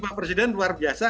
pak presiden luar biasa